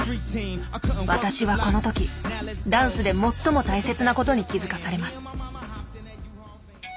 私はこの時ダンスで最も大切なことに気付かされます。